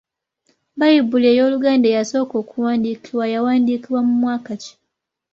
Bbayibuli ey’Oluganda eyasooka okuwandiikibwa yawandiikibwa mu mwaka ki ?